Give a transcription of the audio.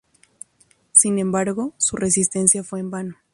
Sin embargo, su resistencia fue en vano.